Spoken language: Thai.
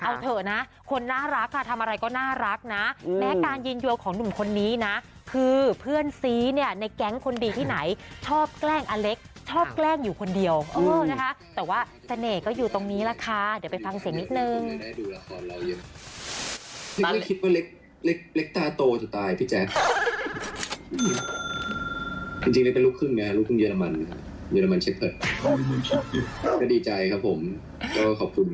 เอาเถอะนะคนน่ารักค่ะทำอะไรก็น่ารักนะแม้การยืนโยงของหนุ่มคนนี้นะคือเพื่อนซีเนี่ยในแก๊งคนดีที่ไหนชอบแกล้งอเล็กชอบแกล้งอยู่คนเดียวนะคะแต่ว่าเสน่ห์ก็อยู่ตรงนี้แหละค่ะเดี๋ยวไปฟังเสียงนิดนึง